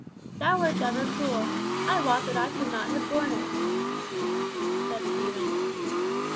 "Thou wert ever cool! I wot that I could not have borne it," said Stephen.